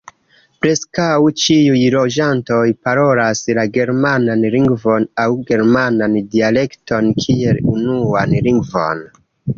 Preskaŭ ĉiuj loĝantoj parolas la germanan lingvon aŭ germanan dialekton kiel unuan lingvon.